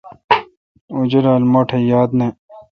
اوں جولال مہ ٹھ یاد نہ۔